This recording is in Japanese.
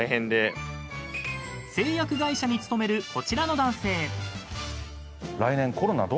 ［製薬会社に勤めるこちらの男性］